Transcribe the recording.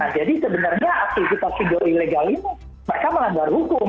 jadi sebenarnya aktivitas pindol ilegal ini mereka melanggar hukum